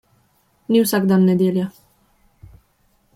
Ni vsak dan nedelja.